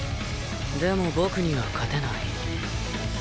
でも僕には勝てない。